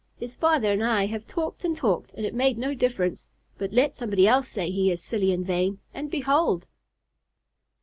His father and I have talked and talked, and it made no difference; but let somebody else say he is silly and vain, and behold!"